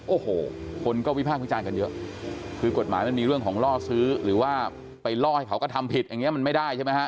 โอ้โหคนก็วิพากษ์วิจารณ์กันเยอะคือกฎหมายมันมีเรื่องของล่อซื้อหรือว่าไปล่อให้เขาก็ทำผิดอย่างเงี้มันไม่ได้ใช่ไหมฮะ